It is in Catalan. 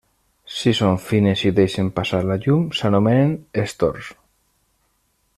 Si són fines i deixen passar la llum s'anomenen estors.